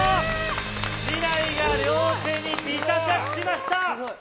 竹刀が両手にびた着しました。